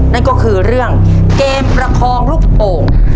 นั่นก็คือเรื่องเกมประคองลูกโป่ง